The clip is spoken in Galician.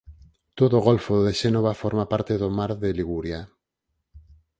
Todo o Golfo de Xénova forma parte do mar de Liguria.